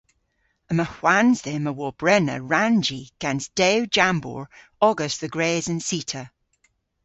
Yma hwans dhymm a wobrena rannji gans dew jambour ogas dhe gres an cita.